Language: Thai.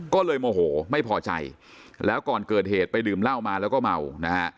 ก็เลยโมโหไม่พอใจแล้วก่อนเกิดเหตุไปดื่มเหล้ามาแล้วก็เมานะฮะ